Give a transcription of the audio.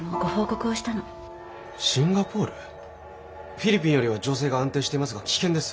フィリピンよりは情勢が安定していますが危険です。